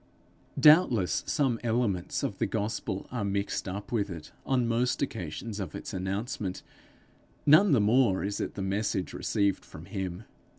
Doubtless some elements of the gospel are mixed up with it on most occasions of its announcement; none the more is it the message received from him.